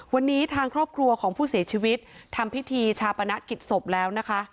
วันนี้ทางครอบครัวของผู้เสียชีวิตทำพิธีชาปนกิจศพแล้วนะคะ